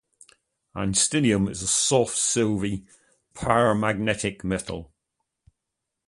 Einsteinium is a soft, silvery, paramagnetic metal.